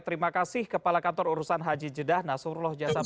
terima kasih kepala kantor urusan haji jeddah nasurullah jasab